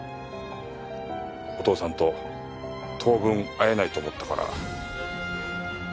お父さんと当分会えないと思ったから。